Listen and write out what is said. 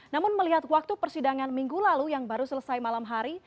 namun melihat waktu persidangan minggu lalu yang baru selesai malam hari